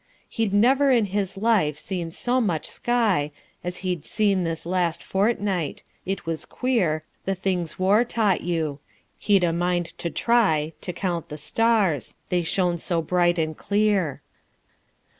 He'd never in his life seen so much sky As he'd seen this last fortnight. It was queer The things war taught you. He'd a mind to try To count the stars they shone so bright and clear.